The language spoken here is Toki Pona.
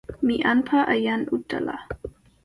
mi anpa e jan utala.